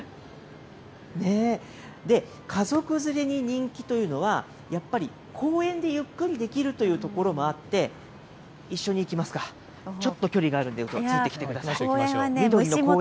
家族連れに人気というのは、やっぱり公園でゆっくりできるという所もあって、一緒に行きますか、ちょっと距離があるんでついてきてください。